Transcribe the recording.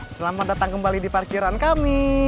selamat datang kembali di parkiran kami